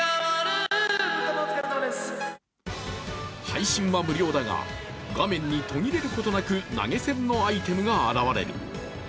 配信は無料だが、画面に途切れることなく投げ銭のアイテムが現れる。